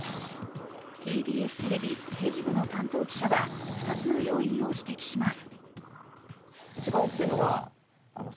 ＴＢＳテレビ政治部の担当記者は２つの要因を指摘します。